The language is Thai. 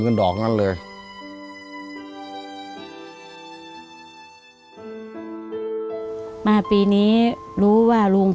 พอแดดออกเหมือนจะเป็นลมหน้ามืด